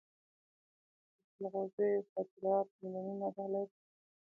د جلغوزیو صادرات میلیونونه ډالر دي.